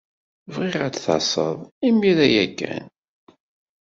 Bɣiɣ ad d-tased imir-a ya kan.